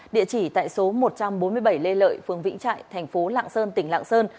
địa chỉ tại số một trăm bốn mươi bảy lê lợi phường vĩnh trại thành phố lạng sơn tỉnh lạng sơn